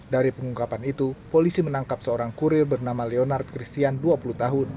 dari pengungkapan itu polisi menangkap seorang kurir bernama leonard christian dua puluh tahun